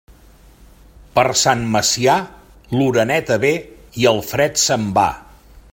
Per Sant Macià, l'oreneta ve i el fred se'n va.